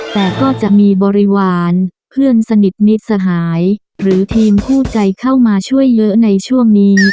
แต่ก็จะมีบริวารเพื่อนสนิทมิตรสหายหรือทีมคู่ใจเข้ามาช่วยเยอะในช่วงนี้